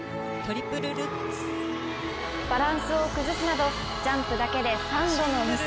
バランスを崩すなどジャンプだけで３度のミス。